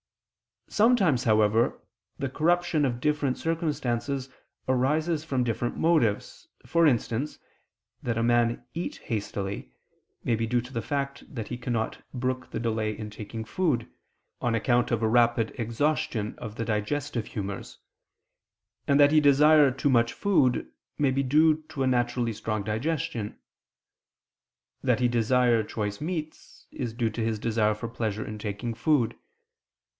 Sometimes, however, the corruption of different circumstances arises from different motives: for instance that a man eat hastily, may be due to the fact that he cannot brook the delay in taking food, on account of a rapid exhaustion of the digestive humors; and that he desire too much food, may be due to a naturally strong digestion; that he desire choice meats, is due to his desire for pleasure in taking food.